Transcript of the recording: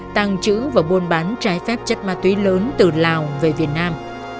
tàng trữ và buôn bán trái phép chất ma túy lớn từ lào về việt nam